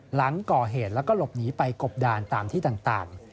หลังก่อเหตุแล้วก็หลบหนีไปกบดานตามที่ต่าง